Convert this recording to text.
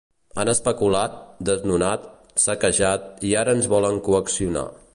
Han especulat, desnonat, saquejat i ara ens volen coaccionar.